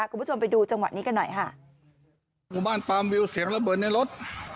คุณผู้ชมไปดูจังหวะนี้กันหน่อยค่ะหมู่บ้านปามวิวเสียงระเบิดในรถ